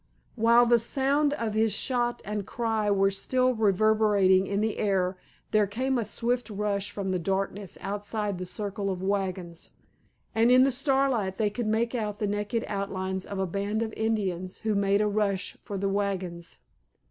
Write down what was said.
While the sound of his shot and cry were still reverberating in the air there came a swift rush from the darkness outside the circle of wagons, and in the starlight they could make out the naked outlines of a band of Indians who made a rush for the wagons.